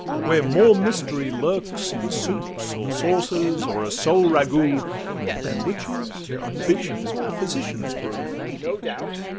where more mystery lurks, In soups or sauces, or a sole ragout, Than witches, b—ches, or physicians, brew.